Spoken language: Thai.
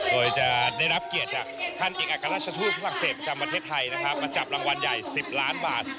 โดยจะได้รับเกียรติจากท่านเอกอัครราชทูตฝรั่งเศสประจำประเทศไทยนะครับมาจับรางวัลใหญ่๑๐ล้านบาท